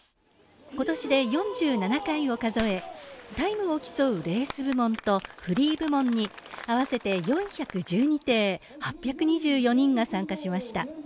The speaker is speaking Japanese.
今年で４７回を数えタイムを競うレース部門とフリー部門に合わせて４１２艇、８２４人が参加しました。